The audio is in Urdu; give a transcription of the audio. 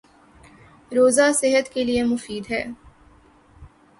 روزہ صحت کے لیے مفید ہے